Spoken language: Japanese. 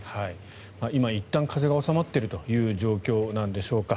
今、いったん風が収まっているという状況なんでしょうか。